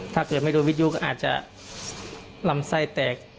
ถ้าเกิดไม่โดนวิทยุก็อาจจะลำไส้แตก